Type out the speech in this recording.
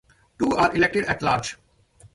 Two are elected at-large.